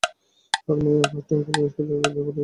আপনি আপনার ট্রাংকের জিনিসপাতি নিতে ভুলে গেছেন।